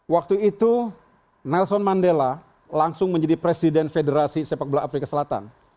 waktu itu nelson mandela langsung menjadi presiden federasi sepak bola afrika selatan